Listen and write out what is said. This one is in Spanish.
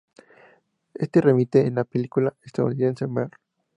Éste remite a la película estadounidense "Mr.